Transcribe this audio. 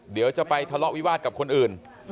เดี๋ยวจะไปทะเลาะวิวาสกับคนอื่น